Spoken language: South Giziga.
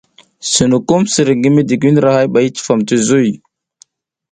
Sinukum sirik ngi midigindra ba i cifam ti zuy.